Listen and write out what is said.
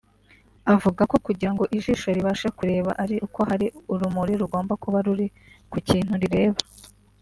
Avuga ko kugira ngo ijisho ribashe kureba ari uko hari urumuri rugomba kuba ruri kukintu rireba